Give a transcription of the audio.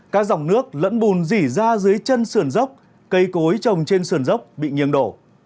các dòng nước lẫn bùn dỉ ra dưới chân sườn dốc cây cối trồng trên sườn dốc bị nghiêng đổ